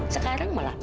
sekarang malah ma